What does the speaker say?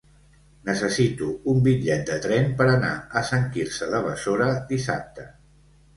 Necessito un bitllet de tren per anar a Sant Quirze de Besora dissabte.